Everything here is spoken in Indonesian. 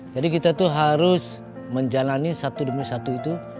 jadi kita itu harus menjalani satu demi satu itu